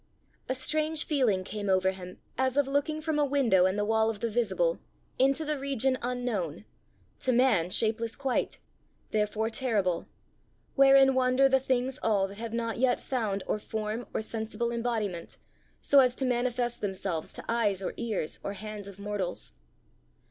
A strange feeling came over him as of looking from a window in the wall of the visible into the region unknown, to man shapeless quite, therefore terrible, wherein wander the things all that have not yet sound or form or sensible embodiment, so as to manifest themselves to eyes or ears or hands of mortals.